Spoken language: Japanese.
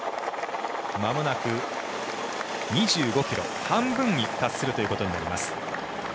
まもなく２５ｋｍ、半分に達するということになります。